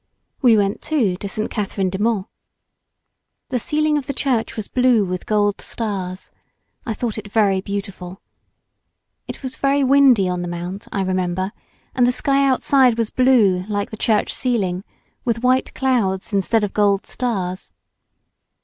We went too, to St. Catharine du Mont. The ceiling of the church was blue, with gold stars. I thought it very beautiful. It was very windy on the mount, I remember, and the sky outside was blue, like the church ceiling, with white clouds instead of gold stars.